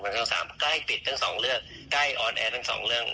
ช่องสามใกล้ติดทั้งสองเรื่องใกล้ออนแอร์ทั้งสองเรื่อง